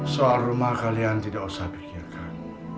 soal rumah kalian tidak usah pikirkan